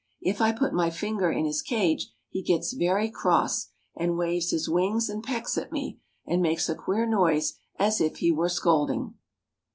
If I put my finger in his cage, he gets very cross, and waves his wings and pecks at me, and makes a queer noise as if he were scolding.